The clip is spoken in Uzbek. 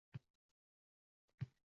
Amerika Qo'shma Shtatlaridan o‘rnak olib